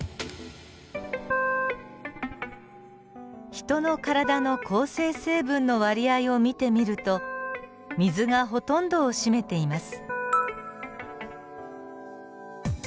ヒトの体の構成成分の割合を見てみると水がほとんどを占めています。